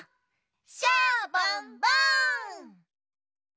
シャボンボン！